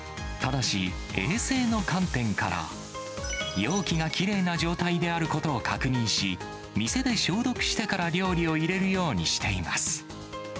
ただし、衛生の観点から、容器がきれいな状態であることを確認し、店で消毒してから料理を入れるようにしています。